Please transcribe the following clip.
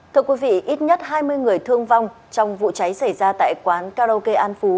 thưa quý vị ít nhất hai mươi người thương vong trong vụ cháy xảy ra tại quán karaoke an phú